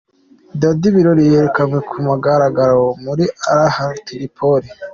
Daddy Birori yerekanywe ku mugaragaro muri Al Ahly Tripoli